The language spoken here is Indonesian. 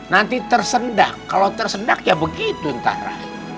nanti tersendak kalau tersendak ya begitu ntar